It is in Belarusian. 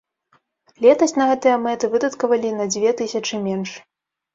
Летась на гэтыя мэты выдаткавалі на дзве тысячы менш.